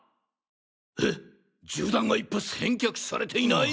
ええっ銃弾が１発返却されていない！？